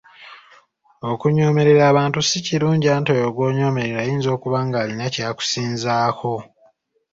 Okunyoomerera abantu si kirungi anti oyo gwonyoomerera ayinza okuba ng'alina ky'akusinzaako.